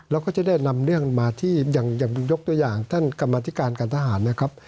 เราก็จะได้นำเรื่องมาที่อย่างยกตัวอย่างท่านกรรมธิการการทหารนะครับ